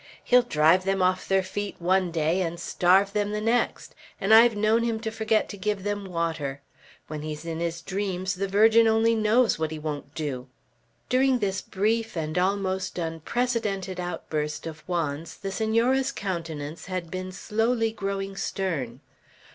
He'll drive them off their feet one day, and starve them the next; and I've known him to forget to give them water. When he's in his dreams, the Virgin only knows what he won't do." During this brief and almost unprecedented outburst of Juan's the Senora's countenance had been slowly growing stern.